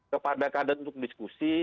kepada kader untuk diskusi